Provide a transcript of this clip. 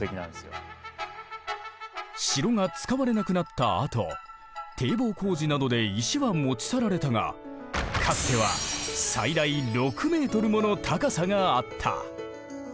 城が使われなくなったあと堤防工事などで石は持ち去られたがかつては最大６ｍもの高さがあった。